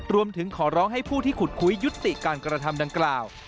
รวมถึงขอร้องให้ผู้ที่ขุดคุยยุติการกระทำดังกล่าว